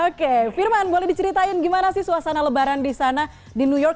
oke firman boleh diceritain gimana sih suasana lebaran di sana di new york